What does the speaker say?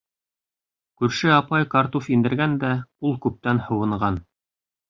Күрше апай картуф индергән дә, ул күптән һыуынған.